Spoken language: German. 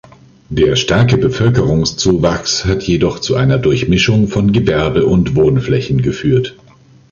Der starke Bevölkerungszuwachs hat jedoch zu einer Durchmischung von Gewerbe und Wohnflächen geführt.